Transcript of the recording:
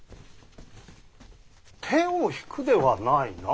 「手を引く」ではないな。